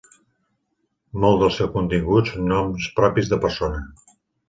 Molt del seu contingut són noms propis de persona.